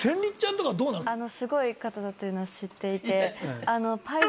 すごい方だというのは知っていて。